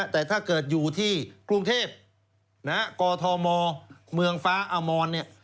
แต่ถ้าเกิดอยู่ที่กรุงเทพกธมเมืองฟ้าอมรเนี่ย